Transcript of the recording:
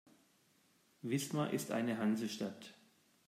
Wismar ist eine Hansestadt.